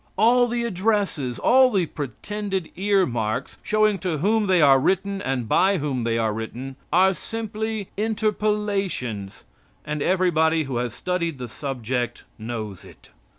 All the addresses, all the pretended earmarks showing to whom they are written and by whom they are written are simply interpolations, and everybody who has studied the subject knows it.